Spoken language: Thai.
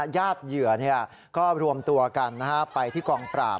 เหยื่อก็รวมตัวกันไปที่กองปราบ